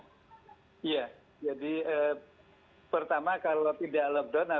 jadi kalau kemudian tidak lockdown dalam waktu dekat begitu atau telat lockdown atau